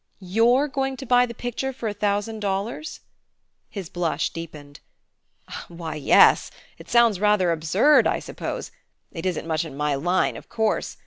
"You're going to buy the picture for a thousand dollars?" His blush deepened. "Why, yes. It sounds rather absurd, I suppose. It isn't much in my line, of course.